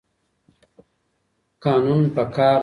قانون پکار دی.